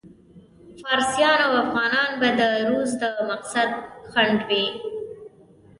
فارسیان او افغانان به د روس د مقصد خنډ وي.